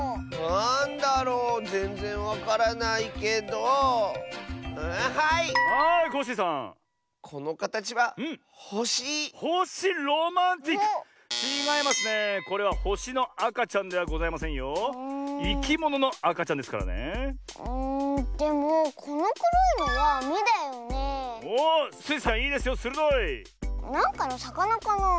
なんかのさかなかなあ。